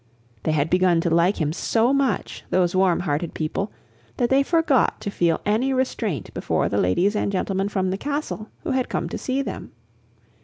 They had begun to like him so much, those warm hearted people, that they forgot to feel any restraint before the ladies and gentlemen from the castle, who had come to see them.